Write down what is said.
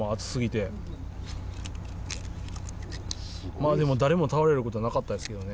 まあでも誰も倒れる事なかったですけどね。